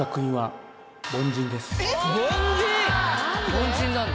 凡人なんだ。